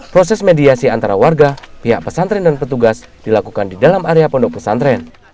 proses mediasi antara warga pihak pesantren dan petugas dilakukan di dalam area pondok pesantren